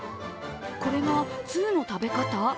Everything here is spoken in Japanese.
これがツウの食べ方？